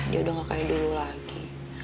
dia udah gak kayak dulu lagi